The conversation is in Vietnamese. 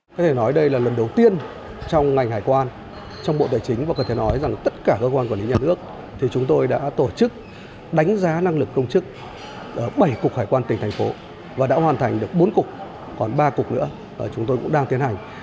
có thể nói đây là lần đầu tiên trong ngành hải quan trong bộ tài chính và có thể nói rằng tất cả cơ quan quản lý nhà nước thì chúng tôi đã tổ chức đánh giá năng lực công chức bảy cục hải quan tỉnh thành phố và đã hoàn thành được bốn cục còn ba cục nữa chúng tôi cũng đang tiến hành